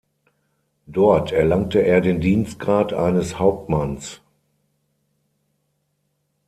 Dort erlangte er den Dienstgrad eines Hauptmanns.